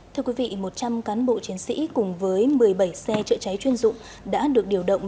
thưa quý vị một trăm linh cán bộ chiến sĩ cùng với một mươi bảy xe chữa cháy chuyên dụng đã được điều động